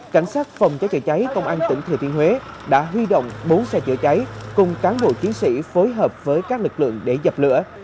cảnh sát phòng cháy chữa cháy công an tỉnh thừa thiên huế đã huy động bốn xe chữa cháy cùng cán bộ chiến sĩ phối hợp với các lực lượng để dập lửa